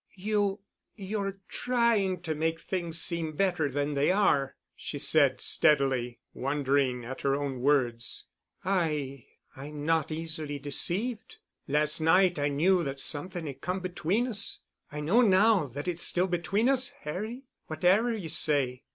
"You—you're trying to make things seem better than they are," she said steadily, wondering at her own words. "I—I'm not easily deceived. Last night I knew that something had come between us. I know now that it's still between us, Harry, whatever you say."